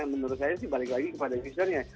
menurut saya sih balik lagi kepada usernya